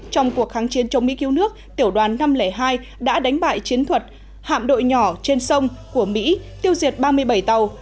trong cuộc kháng chiến chống mỹ cứu nước tiểu đoàn năm trăm linh hai đã đánh bại chiến thuật hạm đội nhỏ trên sông của mỹ tiêu diệt ba mươi bảy tàu